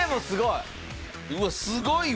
すごい！